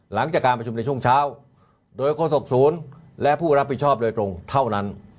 หลังจากการประชุมในช่วงเช้าโดยโฆษกศูนย์และผู้รับผิดชอบโดยตรงเท่านั้น